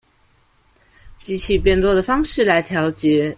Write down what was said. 機器變多的方式來調節